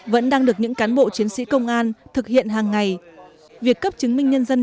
vẫn đang được những cán bộ chiến sĩ công an thực hiện hàng ngày việc cấp chứng minh nhân dân